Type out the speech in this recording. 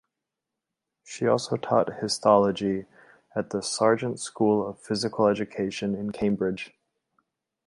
She also taught histology at the Sargent School of Physical Education in Cambridge.